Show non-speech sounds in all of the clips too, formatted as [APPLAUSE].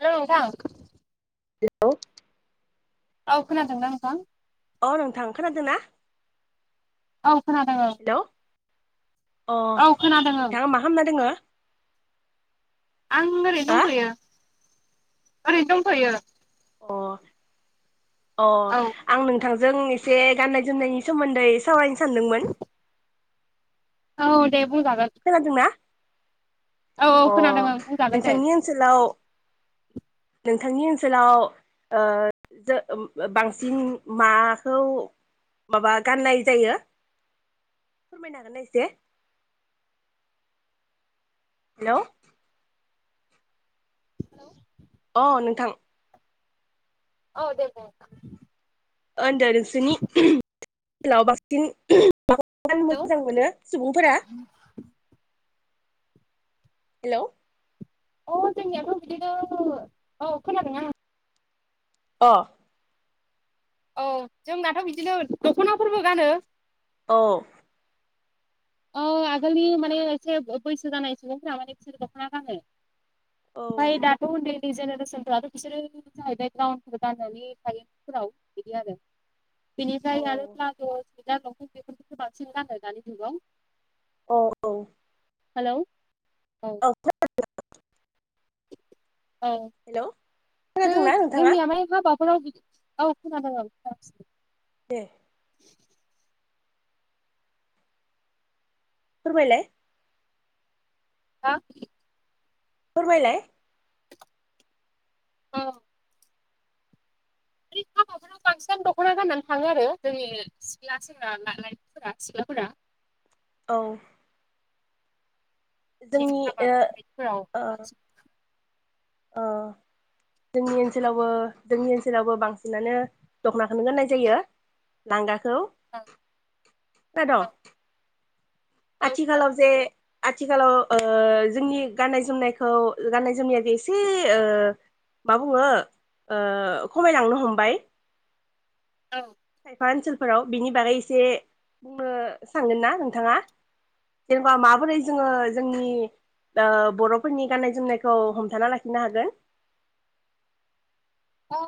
Hello नोंथां। Hello. औ खोनादों ना नोंथां? अ नोंथां खोनादों ना? औ खोनादों ओं। हेलौ अ औ नोंथाङा मा हामना दोङो? आं ओरैनो हा दंथ'यो ओरैनो दंथ'यो। अ अ औ आं नोङो थांजों एसे गान्नाय जोमनायनि सोमोन्दै सावरायनो सानदोंमोन। औ दे बुंजागोन खोनादोंना? औ औ अ खोनादों आं बुंजागोन दे नोंथांनि ओनसोलाव नोंथांनि ओनसोलाव ओ जो ओ बांसिन माखौ। माबा गाननाय जायो फोरमायनो हागोनना एसे। हेलौ अ नोंथां। औ दे बुं। ओन्दो नोंसोरनि लाव बांसिन माखौ गानो हेलौ मोजां मोनो सुबुंफोरा। हेलौ अ जोंनियाथ' बिदिनो औ खोनादों। अ। औ जोंनाथ' बिदिनो दख'नाफोरबो गानो। अ। ओ आगोलनि माने एसे बैसो जानाय सुबुंफोरा माने बिसोर दख'ना गाङो। ओमफाय दाथ' उन दै जेनेरेसनफ्राथ' बिसोरो जाहैबाय गाव खानानै बिदि आरो बेनिफ्राय औ आरो प्लाज', सुयजार, लंफेन बेफोरखौसो बांसिन गानो दानि जुगाव। औ औ। हेलौ। औ [UNINTELLIGIBLE] औ। हेलौ नो खोनादोंना नोंथाङा जोंनिया हाय हाबाफोराव बिदि औ खोनादों औ खोनागासिनो। दे। फोरमालाय। हा? फोरमायलाय। औ। आं बांसिन दख'ना गाननानै थाङो आरो जोंनि सिख्ला सेंग्रा लाइमोनफोरा सिख्लाफोरा। औ। जे जोंनि हाबा ओ बेफोरबायदिफोराव ओ बांसिन ओ जोंनि ओनसोलावबो जोंनि ओनसोलावबो बांसिनानो दख'नाखौनो गोननाय जायो। लांगाखौ औ औ खोनाद'? औ खोनादों आथिखालावजे आथिखालाव ओ जोंनि गाननाय जोमनायखौ गाननाय जोमनाया बेसो ओ मा बुङो ओ खमायलांनो हमबाय। औ खायफा ओनसोलफोराव बिनि बागै एसे बुंनो सानगोनना नोंथाङा? जेनेबा माबोरै जोङो जोंनि ओ बर'फोरनि गाननाय जोमनायखौ हमथाना लाखिनो हागोन? औ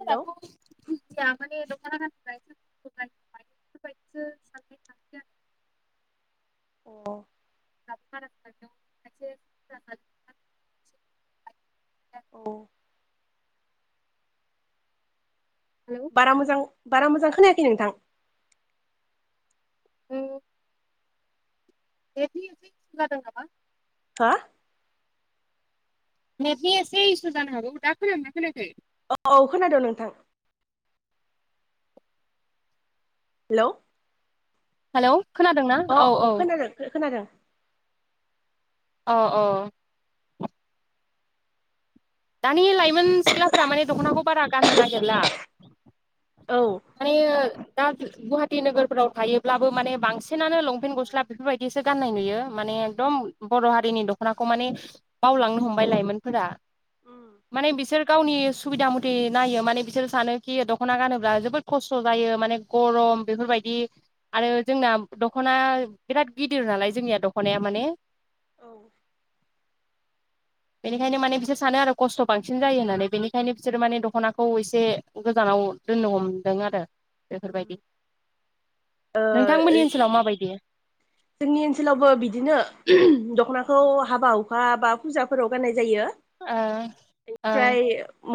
हेलौ [INAUDIBLE] अह [INAUDIBLE] औ हेलौ बारा मोजां बारा मोजां खोनायाखै नोंथां। [UNINTELLIGIBLE] नेटनियावसो इसु जादों नामा? हा नेटनि एसे इसु जानो हागौ दा खोनादोंना खोनायाखै? औ औ खोनादों नोंथां। हेलौ हेलौ खोनादोंना अ औ अ औ। खोनादों खोनादों अह अह। दानि लाइमोन सिख्लाफोरा माने दख'नाखौ बारा गाननो नागिरला। औ माने ओ दा गुवाहाटि नोगोरफ्राव थायोब्लाबो माने बांसिनानो लंपेन्ट गस्ला बेफोरबायदिसो गाननाय नुयो माने एकदम बर' हारिनि दख'नाखौ माने बावलांनो हमबाय लाइमोनफोरा। उम माने बिसोर गावनि सुबिदा मथे नायो माने बिसोर सानोखि दख'ना गानोब्ला जोबोद खस्थ' जायो माने गरम बेफोरबायदि आरो जोंना दख'ना बिराद गिदिर नालाय जोंनिया दख'नाया माने औ बेनिखायनो माने बिसोर सानो आरो खस्थ' बांसिन जायो होननानै बेनिखायनो बिसोरो माने दख'नाखौ एसे गोजान नाव दोननो हम जों आरो उम बेफोरबायदि। नोंथांमोननि ओनसोलाव माबायदि? जोंनि ओनसोलावबो बिदिनो दख'नाखौ हाबा हुखा बा फुजाफोराव गाननाय जायो। बेनिफ्राय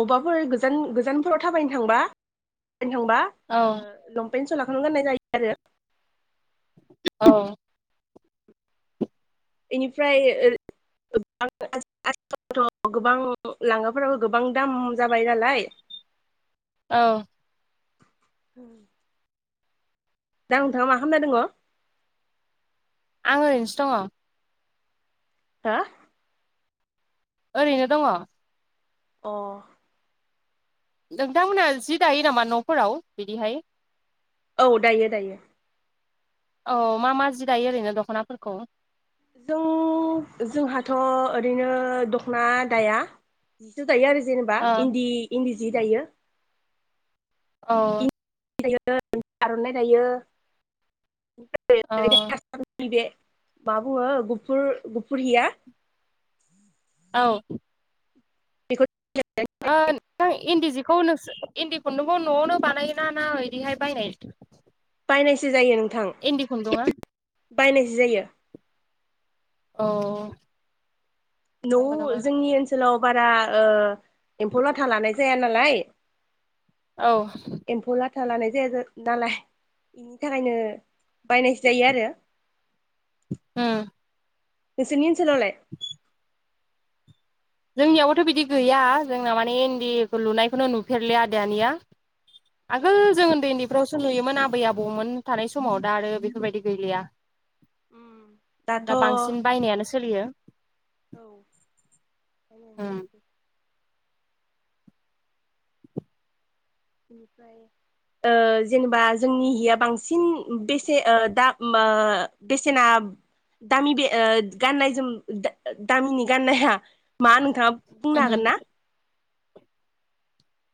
मबाफोर गोजान गोजानफोराव थाबायनो थांबा थांबा ओ लंपेन सलाखौनो गाननाय जायो आरो औ इनिफ्राय [UNINTELLIGIBLE] आथिखालावथ' गोबां लांगाफोराबो गोबां दाम जाबाय नालाय [UNINTELLIGIBLE] औ ह दा नोंथाङा मा खालामना दङ। आं ओरैनोसो दङ हा ओरैनो दङ अ नोंथांमोनहा जि दायो नामा न'फोराव बिदिहाय औ दायो दायो औ मा मा जि दायो ओरैनो दख'नाफोरखौ जों जोंहाथ' ओरैनो दख'ना दाया दायो आरो जेनेबा ओ इन्दि इन्दि जि दायो। औ इन्दि आर'नाइ दायो औ नैबे मा बुङो गुफुर गुफुरहिया औ नों इन्दि जिखौ नोंसो इन्दि खुन्दुंबो न'आवनो बानायोना ना बिदिहाय बायनाय बायनायसो जायो नोंथां इन्दि खुन्दुङा बायनायसो जायो औ न' नंगौ नामा जोंनि ओनसोलाव बारा एम्फौ लाथा लानाय ज जाया नालाय औ बथा लानाय जाया नालाय बेनि थाखायनो बायनायसो जायो आरो उम नोंसिनि ओनसोलाव लाय जोंनियावबोथ' बिदि गैया जोंना माने इन्दिखौ लुनायखौनो नुफेरलि आ दानिया आगोल जों उन्दै उन्दैफ्रावसो नुयोमोन आबै आबौमोन थानाय समाव दा आरो बेफोरबायदि गैलिया उ दा बांसिन बायनायानो सोलियो औ नोसै उम बेख बिनिफ्राय जेनेबा जोंनि हिया बांसिन बेसे दा बेसेना दामि बे गाननाय जोम दामिनि गाननाया मा नोंथाङा बुंनो हागोन उमहो ना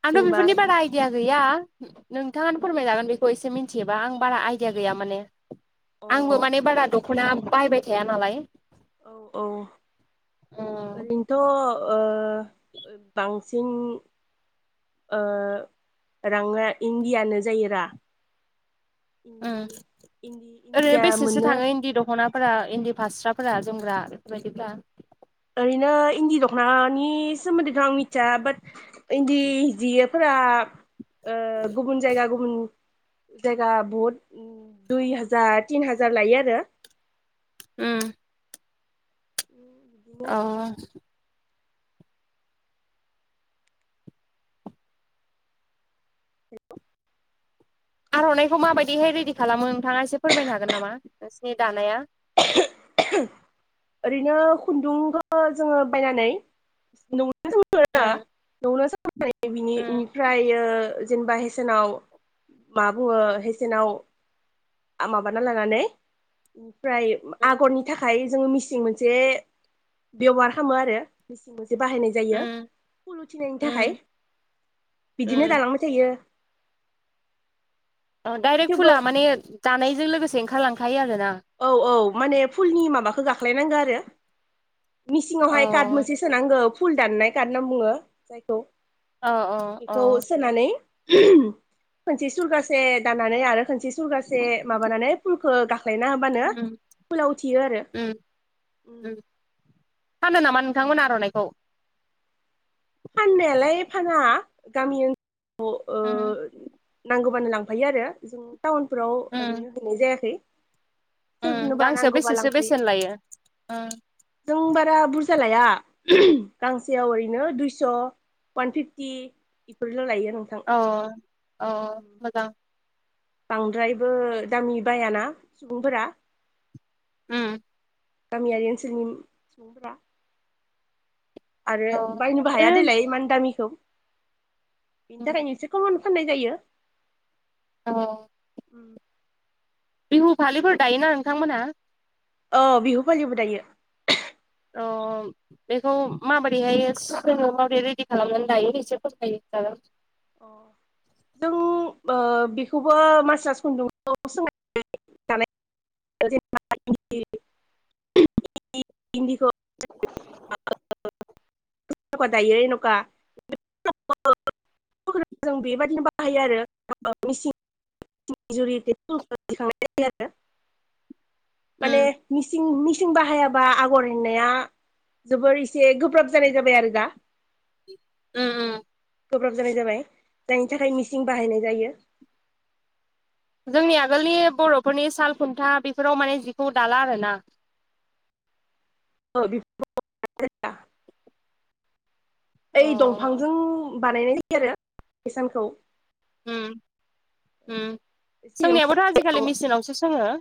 आं जेनेबा बेफोरनि अ बा आयदिया गैया नोंथाङानो फोरमायजागोन बेखौ एसे मिथिबा आं बारा आइदिया गैया माने औ आंबो माने बारा दख'ना बायबाय थाया नालाय औ औ उम ओरैनोथ' बांसिन। ओ राङा इणडियानो जायोरा। इन्दि इन्दि ओरैनो इन्दिया बेसेसो मोनो थाङो इन्दि दख'ना। फोरा इन्दि फास्राफोरा जोमग्रा बेफोरबायदिफोरा। इदिनो इन्दि दख'नानि सोमोन्दैथ' आं मिथिया बाट इन्दि जियोफोरा। ओ गुबुन जायगा गुबुन। जायगा बहुत दुइ हाजार तिन हाजार लायो आरो। ओ। बिदिनो अ। आर'नाइखौ माबायदिहाय रेडि खालामो नोंथाङा एसे फोरमायनो हागोन नामा नोंसिनि दानाया? [INAUDIBLE] ओरैनो खुन्दुंखौ जोङो बायनानै नु। ओ। बिनि बेनिफ्राय ओ। जेनेबा हेसेनाव मा बुङो हेसेनाव। माबाना लानानै। ओमफ्राय उम आगरनि थाखाय जोङो मिसिं मोनसे बेबहार खालामो आरो। बाहायनाय जायो उम फुलुथिनायनि थाखाय उम बिदिनो उम दालांबाय थायो। औ डाइरेक्ट थेवबो फुला माने जानायजों लोगोसे ओंखारलांखायो आरो। औ औ माने फुलनि माबाखौ गाख्लायनांगौ आरो। अ मिसिंआवहाय कार्ड मोनसे सोनांगौ फुल दाननाय कार्ड होनना बुङो जायखौ। अ अ बेखौ सोनानै। खोनसे सुरगासे दाननानै आरो खोनसे सुरगासे माबानानै फुलखौ गा। ना होबानो उम फुलाव उथियो आरो उम ओ। उम फानो नामा नोंथांमोन आर'नाइखौ? फाननायालाय फाना गामि ओन उम ओ नांगौबानो लांफायो आरो। टाउनफोराव ओरैनो होननाय जायाखै। ओ सोरनोबा गांसेयाव नांगौबा बेसेसो लांफायो बेसेन लायो ओ। जों बारा बुरजा लाया गांसेयाव ओरैनो दुइ। स' वान फिफटि बेफोरल' लायो। नोंथां अ अ मोजां। बांद्रायबो दामि बायाना सुबुंफोरा। उम। गामियारि ओनसोलनि सुबुंफोरा - आरो औ बायनोबो हाया ओरैनो देलाय इमान दामिखौ। बेनि थाखाय इसे कमावनो फाननाय जायो। अ बिहु फालिफोर दायोना नोंथांमोनहा। औ बिहुबो फालिबो दायो। अ बेखौ माबोरैहाय स माबोरै रेडि खालामनानै दायो एसे फथायायो [INAUDIBLE] अ। जों ओ बिखौबो मासा्स खुन्दुंखौ सोंनानै दानाय जायो [UNINTELLIGIBLE] [UNINTELLIGIBLE] जेनबा दायो एनका [UNINTELLIGIBLE] जों बेबादिनो बाहायो आरो ओ मेसिन [UNINTELLIGIBLE] माने उम मिसिं मिसिं बाहायाबा आगर एरनाया जोबोर एसे गोब्राब जानाय जाबाय आरो दा। उम उम । गोब्राब जानाय जाबाय जायनि थाखाय मिसिं बाहायनाय जायो जोंनि आगोलनि बर'फोरनि साल खुन्था बिफोराव माने जिखौ दाला आरोना ओइ उम दंफांजों [UNINTELLIGIBLE] बानायनाय जायो आरो हिसानखौ उम उम सिगाङाव सोंनायाबोथ' आजिखालि मेसिनावसो सोङो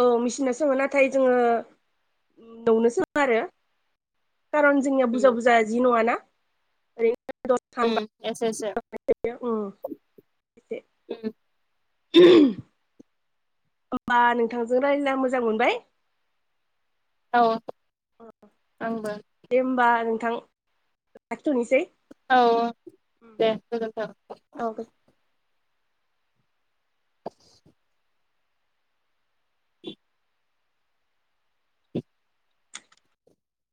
औ मेसनाव सोङो नाथाय जोङो न'आवनो सोङो आरो खारन जोंनिया उम बुरजा बुरजा जि नङाना ओरै उम एसे एसे दानबसे [UNINTELLIGIBLE] उम [UNINTELLIGIBLE] होमबा नोंथांजों रायज्लायना मोजां मोनबाय औ आंबो दे हबा नोंथां लाखिथ'नोसै औ दे गोजोन्थों औग [UNINTELLIGIBLE] [UNINTELLIGIBLE] [UNINTELLIGIBLE]